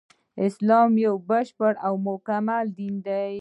اسلام يو بشپړ او کامل دين دی